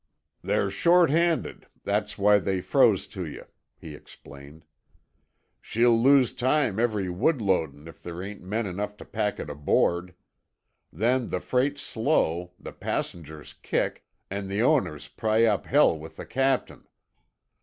"They're short handed, that's why they froze t' you," he explained. "She'll lose time every wood loadin' if there ain't men enough to pack it aboard. Then the freight's slow, the passengers kick, an' the owners pry up hell with the captain.